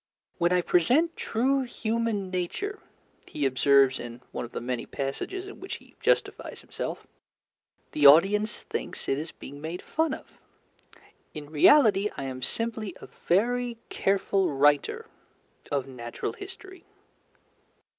"When I present true human nature," he observes in one of the many passages in which he justifies himself, "the audience thinks it is being made fun of. In reality I am simply a very careful writer of natural history."